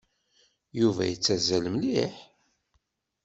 Yuba yettazzal mliḥ.